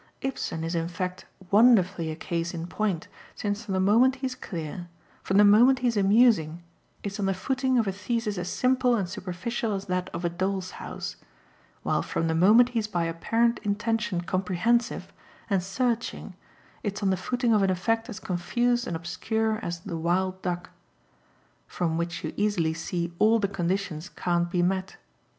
Ibsen is in fact wonderfully a case in point, since from the moment he's clear, from the moment he's 'amusing,' it's on the footing of a thesis as simple and superficial as that of 'A Doll's House' while from the moment he's by apparent intention comprehensive and searching it's on the footing of an effect as confused and obscure as 'The Wild Duck.' From which you easily see ALL the conditions can't be met.